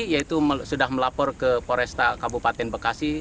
yaitu sudah melapor ke poresta kabupaten bekasi